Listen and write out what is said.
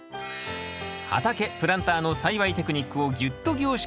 畑プランターの栽培テクニックをぎゅっと凝縮した保存版。